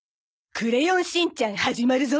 『クレヨンしんちゃん』始まるぞ。